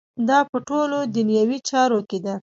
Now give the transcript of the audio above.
دا په ټولو دنیوي چارو کې ده.